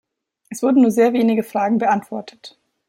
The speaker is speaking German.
Es wurden nur sehr wenige Fragen beantwortet.